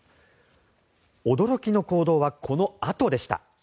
驚きの行動はこのあとでした。